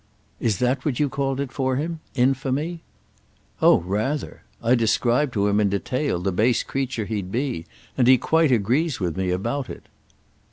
"Is that what you called it for him—'infamy'?" "Oh rather! I described to him in detail the base creature he'd be, and he quite agrees with me about it."